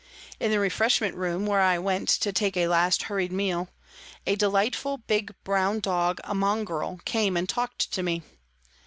In the refreshment room, where I went to take a last hurried meal, a delightful big, brown dog, a mongrel, came and talked to me.